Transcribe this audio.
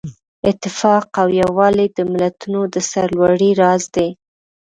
اتفاق او یووالی د ملتونو د سرلوړۍ راز دی.